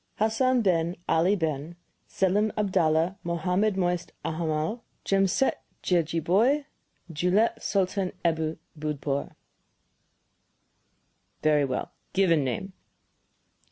"Hassan Ben Ali Ben Selim Abdallah Mohammed Moisé Alhammal Jamsetjejeebhoy Dhuleep Sultan Ebu Bhudpoor." "Very well. Given name?"